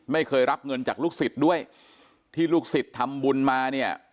ไม่เคยรับเงินจากลูกศิษย์ด้วยที่ลูกศิษย์ทำบุญมาเนี่ย